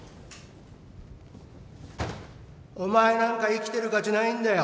お前なんか生きてる価値ないんだよ